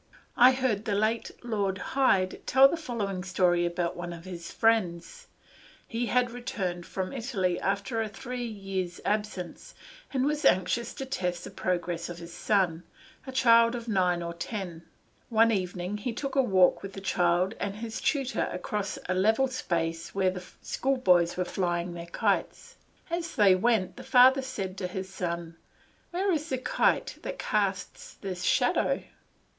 I heard the late Lord Hyde tell the following story about one of his friends. He had returned from Italy after a three years' absence, and was anxious to test the progress of his son, a child of nine or ten. One evening he took a walk with the child and his tutor across a level space where the schoolboys were flying their kites. As they went, the father said to his son, "Where is the kite that casts this shadow?"